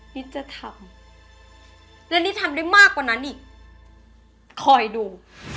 นิดจะทำและนิดทำได้มากกว่านั้นอีกคอยดู